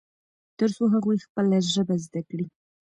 ترڅو هغوی خپله ژبه زده کړي.